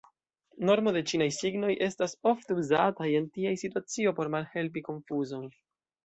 Normo de ĉinaj signoj estas ofte uzataj en tia situacio por malhelpi konfuzon.